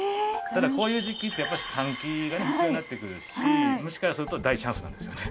ただこういう時季ってやっぱり換気が必要になってくるし虫からすると大チャンスなんですよね。